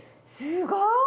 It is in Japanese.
すごい！